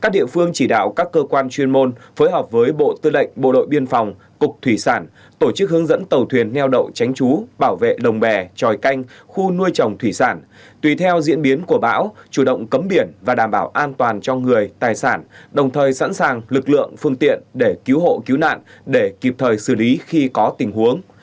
ban chỉ đạo các cơ quan chuyên môn phối hợp với bộ tư lệnh bộ đội biên phòng cục thủy sản tổ chức hướng dẫn tàu thuyền neo đậu tránh chú bảo vệ đồng bè tròi canh khu nuôi trồng thủy sản tùy theo diễn biến của bão chủ động cấm biển và đảm bảo an toàn cho người tài sản đồng thời sẵn sàng lực lượng phương tiện để cứu hộ cứu nạn để kịp thời xử lý khi có tình huống